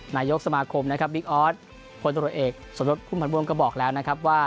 นายกสมาคมนะครับบิ๊กออสคนตัวเอกส่วนภูมิพันธ์บนก็บอกแล้วนะครับว่า